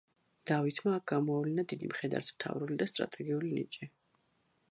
დავითმა აქ გამოავლინა დიდი მხედართმთავრული და სტრატეგიული ნიჭი.